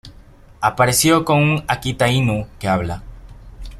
Aparece con un Akita Inu que habla.